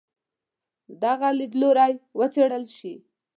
دغه لیدلوری وڅېړل شي.